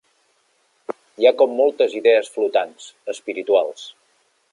Hi ha com moltes idees flotants, espirituals.